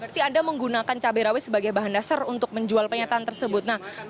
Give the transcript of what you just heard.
berarti anda menggunakan cabai rawit sebagai bahan dasar untuk menjual pernyataan tersebut